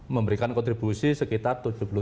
memberikan kontribusi sekitar tujuh puluh delapan tiga